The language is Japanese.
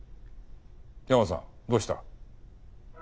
ヤマさんどうした？